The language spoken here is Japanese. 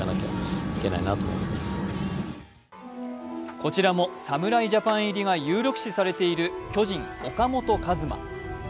こちらも侍ジャパン入りが有力視されている巨人・岡本和真。